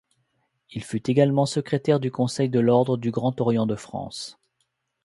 Il fut également secrétaire du conseil de l’ordre du Grand Orient de France.